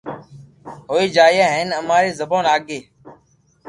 ھوئي جائين ھين اماري زبون آگي